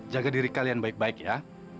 jaga diri kalian baik baik ya